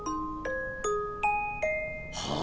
はあ？